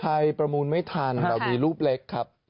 ประมูลไม่ทันเรามีรูปเล็กครับ